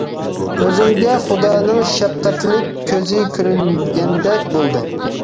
كۆزۈمگە خۇدانىڭ شەپقەتلىك كۆزى كۆرۈنگەندەك بولدى.